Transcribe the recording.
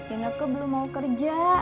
inek ke belum mau kerja